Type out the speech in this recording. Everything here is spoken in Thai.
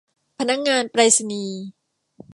พนักงานไปรษณีย์